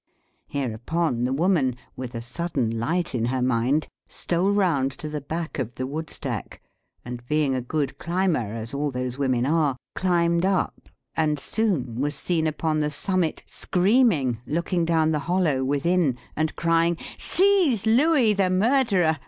Hereupon the woman, with a sudden light in her mind, stole round to the back of the wood stack, and, being a good climber, as all those women are, climbed up, and soon was seen upon the summit, screaming, looking down the hollow within, and crying, "Seize Louis, the murderer!